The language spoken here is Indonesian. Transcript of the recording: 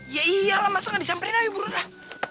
ya iya lah masa gak disamperin aja burun lah